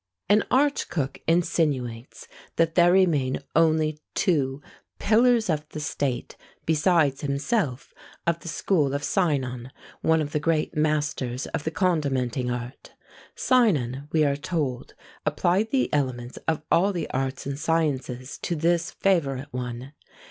An arch cook insinuates that there remain only two "pillars of the state," besides himself, of the school of Sinon, one of the great masters of the condimenting art. Sinon, we are told, applied the elements of all the arts and sciences to this favourite one.